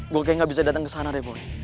gue kayak gak bisa datang kesana deh boy